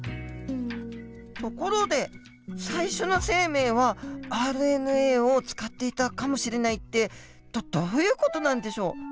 ところで最初の生命はＲＮＡを使っていたかもしれないってどういう事なんでしょう。